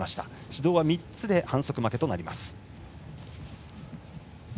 指導は３つで反則負けとなります。